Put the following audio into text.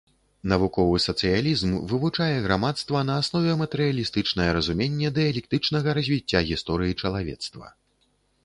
Навуковы сацыялізм вывучае грамадства на аснове матэрыялістычнае разуменне дыялектычнага развіцця гісторыі чалавецтва.